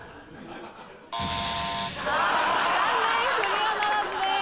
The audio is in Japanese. あ残念クリアならずです。